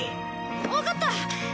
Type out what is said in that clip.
わかった！